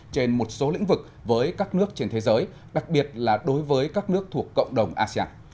trên một số lĩnh vực với các nước trên thế giới đặc biệt là đối với các nước thuộc cộng đồng asean